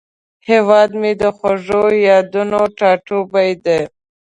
هیواد مې د خوږو یادونو ټاټوبی دی